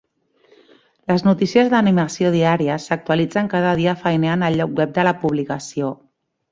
Les notícies d'animació diàries s'actualitzen cada dia feiner en el lloc web de la publicació.